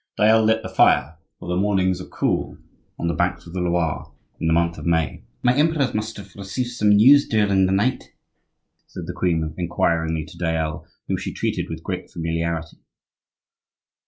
Dayelle lit the fire, for the mornings are cool on the banks of the Loire in the month of May. "My uncles must have received some news during the night?" said the queen, inquiringly to Dayelle, whom she treated with great familiarity.